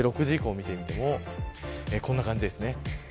６時以降を見てみてもこんな感じです。